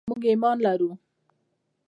موږ ایمان لرو.